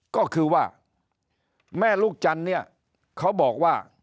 ก็คือว่าแม่ลูกจันทร์เนี่ยเขาบอกว่า